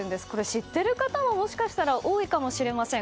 知っている方も、もしかしたら多いかもしれません。